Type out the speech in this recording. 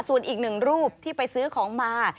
ส่วนอีกหนึ่งรูปที่ไปซื้อของมา